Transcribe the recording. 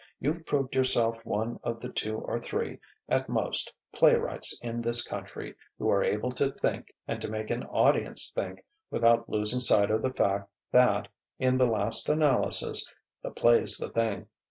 You've proved yourself one of the two or three, at most, playwrights in this country who are able to think and to make an audience think without losing sight of the fact that, in the last analysis, 'the play's the thing.'